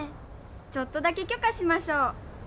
ちょっとだけ許可しましょう。